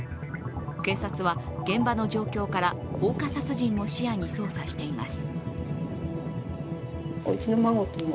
警察は現場の状況から放火殺人も視野に捜査しています。